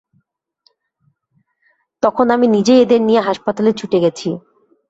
তখন আমি নিজেই এদের নিয়ে হাসপাতালে ছুটে গেছি।